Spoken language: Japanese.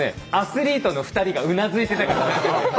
アスリートの２人がうなずいてたから。